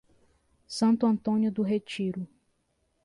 Santo Antônio do Retiro